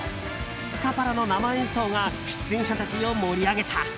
スカパラの生演奏が出演者たちを盛り上げた。